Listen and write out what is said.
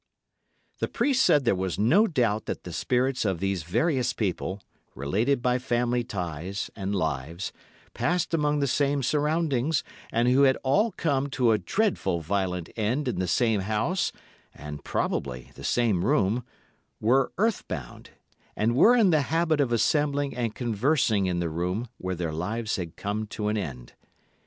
"The priest said there was no doubt that the spirits of these various people, related by family ties, and lives, passed among the same surroundings, and who had all come to a dreadful violent end in the same house, and, probably, the same room, were earthbound, and were in the habit of assembling and conversing in the room where their lives had come to an end.